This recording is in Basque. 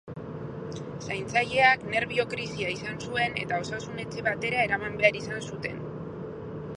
Zaintzaileak nerbio-krisia izan zuen eta osasun-etxe batera eraman behar izan zuten.